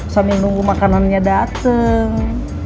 sambil nunggu makanannya dateng